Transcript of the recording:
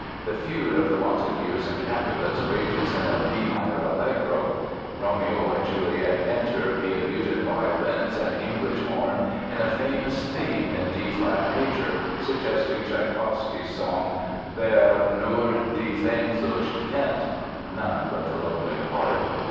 The feud of the Montagues and Capulets rages in a B minor allegro. Romeo and Juliet enter via muted violins and English horn in a famous theme in D flat major suggesting Tschaikowsky's song Wer nur die Sehnsucht kennt ("None But the Lonely Heart").